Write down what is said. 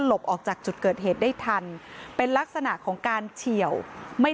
ออกจากจุดเกิดเหตุได้ทันเป็นลักษณะของการเฉียวไม่